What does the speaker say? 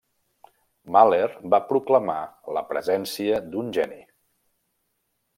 Mahler va proclamar la presència d'un geni.